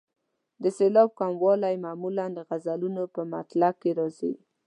د سېلاب کموالی معمولا د غزلونو په مطلع کې راځي.